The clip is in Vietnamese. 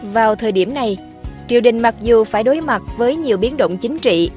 vào thời điểm này triều đình mặc dù phải đối mặt với nhiều biến động chính trị